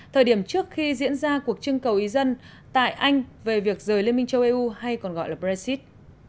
thời điểm trước khi diễn ra cuộc trưng cầu ý dân tại anh về việc rời liên minh châu âu hay còn gọi là brexit